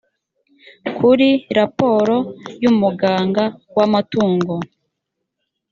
kuri raporo y ‘umuganga w ‘amatungo.